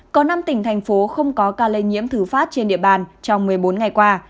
có năm tỉnh thành phố không có ca lây nhiễm thử phát trên địa bàn trong một mươi bốn ngày qua